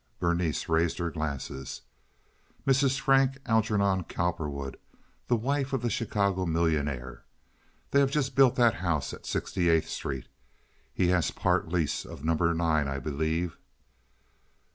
Berenice raised her glasses. "Mrs. Frank Algernon Cowperwood, the wife of the Chicago millionaire. They have just built that house at 68th Street. He has part lease of number 9, I believe."